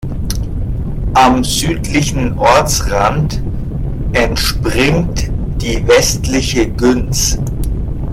Am südlichen Ortsrand entspringt die Westliche Günz.